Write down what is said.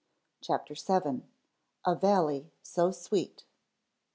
CHAPTER VII. "_A Valley So Sweet.